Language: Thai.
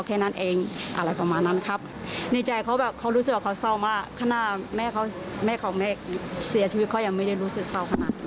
ข้างหน้าแม่ของแม่เสียชีวิตเขายังไม่ได้รู้สึกเศร้าขนาดนั้น